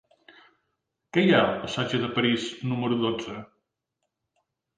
Què hi ha al passatge de París número dotze?